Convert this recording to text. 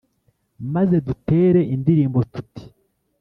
maze dutere indirimbo tuti